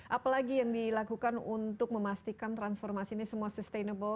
apalagi yang dilakukan untuk memastikan transformasi ini semua sustainable